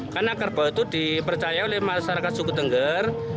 karena kerbau itu dipercaya oleh masyarakat suku tengger